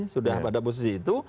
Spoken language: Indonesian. sudah pada posisi itu